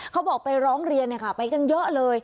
เขาบอกไปร้องเรียนไปกันเยอะเลย